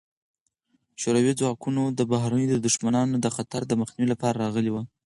شوروي ځواکونه د بهرنیو دښمنانو د خطر د مخنیوي لپاره راغلي وو.